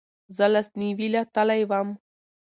زه لاسنیوې له تلی وم